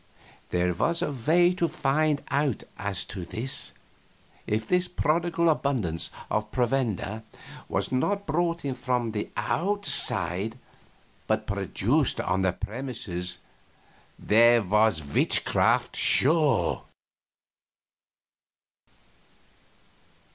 There was a way to find out as to this: if this prodigal abundance of provender was not brought in from the outside, but produced on the premises, there was witchcraft, sure.